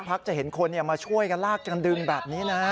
พักจะเห็นคนมาช่วยกันลากกันดึงแบบนี้นะ